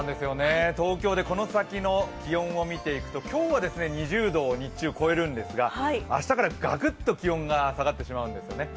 東京でこの先の気温を見ていくと、今日は２０度を日中超えるんですが、明日からガクッと気温が下がってしまうんですよね。